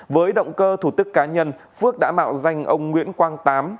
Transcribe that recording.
với động cơ thủ tức cá nhân phước đã mạo danh ông nguyễn quang tám